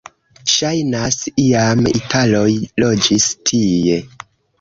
Ŝajnas, iam italoj loĝis tie.